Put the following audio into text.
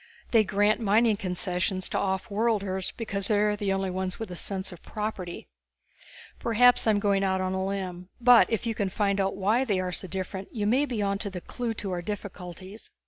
They grant mining concessions to offworlders because they are the only ones with a sense of property. Maybe I'm going out on a limb. But if you can find out why they are so different you may be onto the clue to our difficulties."